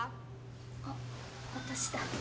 あっ私だ。